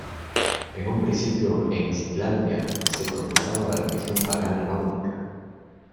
En un principio en Islandia se profesaba la religión pagana nórdica.